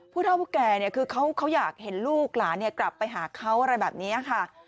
ผู้เท่าผู้แก่คือเขาอยากเห็นลูกหลานกลับไปหาเขาอะไรแบบนี้ค่ะ